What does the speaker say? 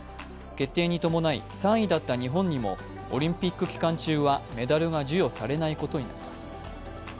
決定に伴い３位だった日本にも、オリンピック期間中はメダルが授与されないことになります。